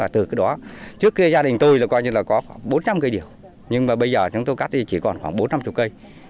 trước kia gia đình tôi có khoảng bốn trăm linh cây điều nhưng bây giờ chúng tôi cắt chỉ còn khoảng bốn trăm năm mươi cây